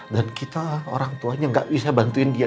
dan kita orang tuanya gak bisa bantuin dia